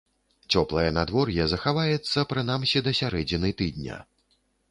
Цёплае надвор'е захаваецца прынамсі да сярэдзіны тыдня.